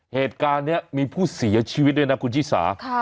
เหตุการณ์นี้มีผู้เสียชีวิตด้วยนะคุณชิสา